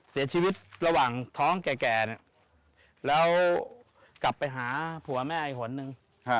เสียชีวิตระหว่างท้องแก่แล้วกลับไปหาผัวแม่อีกคนนึง